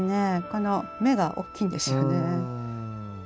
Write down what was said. この目が大きいんですよね。